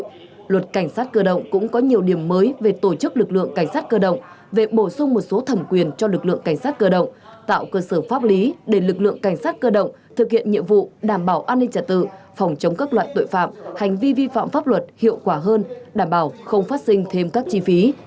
trong đó luật cảnh sát cơ động cũng có nhiều điểm mới về tổ chức lực lượng cảnh sát cơ động về bổ sung một số thẩm quyền cho lực lượng cảnh sát cơ động tạo cơ sở pháp lý để lực lượng cảnh sát cơ động thực hiện nhiệm vụ đảm bảo an ninh trật tự phòng chống các loại tội phạm hành vi vi phạm pháp luật hiệu quả hơn đảm bảo không phát sinh thêm các chi phí